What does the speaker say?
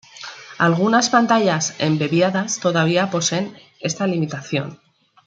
Algunas pantallas embebidas todavía poseen esta limitación.